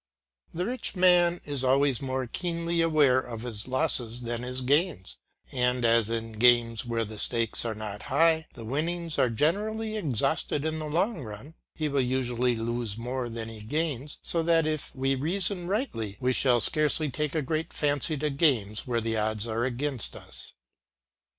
The rich man is always more keenly aware of his losses than his gains, and as in games where the stakes are not high the winnings are generally exhausted in the long run, he will usually lose more than he gains, so that if we reason rightly we shall scarcely take a great fancy to games where the odds are against us.